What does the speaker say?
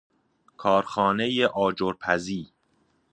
کارخانه آجرپزی